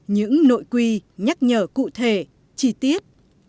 những nội quy nhắc nhở cụ thể chi tiết